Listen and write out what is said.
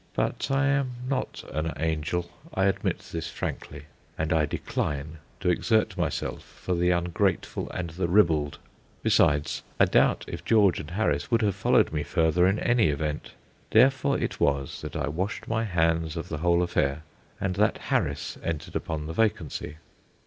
But I am not an angel I admit this frankly, and I decline to exert myself for the ungrateful and the ribald. Besides, I doubt if George and Harris would have followed me further in any event. Therefore it was that I washed my hands of the whole affair, and that Harris entered upon the vacancy.